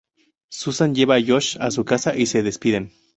Susan lleva a Josh a su casa y se despiden.